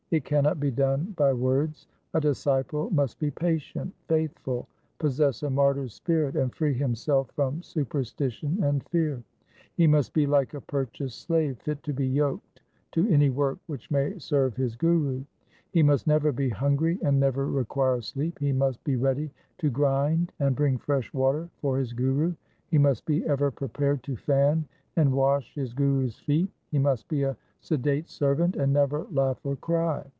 It cannot be done by words. A disciple must be patient, faithful, possess a martyr's spirit, and free himself from superstition and fear. He must be like a purchased slave fit to be yoked to any work which may serve his Guru. He must never be hungry, and never require sleep. He must be ready to grind and bring fresh water for his Guru. He must be ever prepared to fan and wash his Guru's feet. He must be a sedate servant and never laugh or cry.